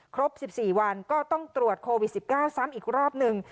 ครบ๑๔วันก็ต้องตรวจโควิด๑๙ซ้ำอีกรอบหนึ่ง